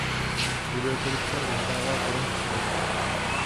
Videoklip se odehrává v Bronxu.